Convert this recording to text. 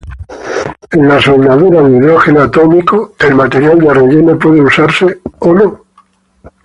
En la soldadura de hidrógeno atómico, el material de relleno puede usarse o no.